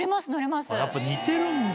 やっぱ似てるんだ。